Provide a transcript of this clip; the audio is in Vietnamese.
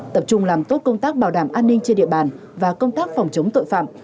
tập trung làm tốt công tác bảo đảm an ninh trên địa bàn và công tác phòng chống tội phạm